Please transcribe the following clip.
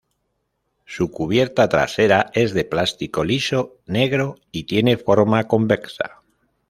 Su cubierta trasera es de plástico liso negro y tiene forma convexa.